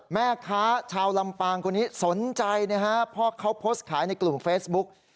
แม่ค้าชาวลำปางคนนี้สนใจนะฮะเพราะเขาโพสต์ขายในกลุ่มเฟซบุ๊ก